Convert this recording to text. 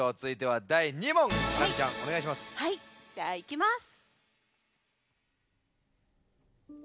はいじゃあいきます。